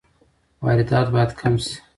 واردات باید کم شي.